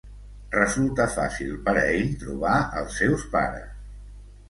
Resulta fàcil per a ell trobar els seus pares.